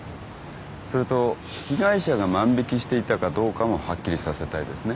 それと被害者が万引していたかどうかもはっきりさせたいですね。